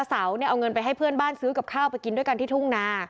เสาเนี่ยเอาเงินไปให้เพื่อนบ้านซื้อกับข้าวไปกินด้วยกันที่ทุ่งนา